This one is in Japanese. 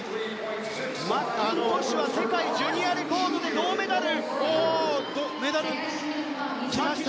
マッキントッシュは世界ジュニアレコードで銅メダル。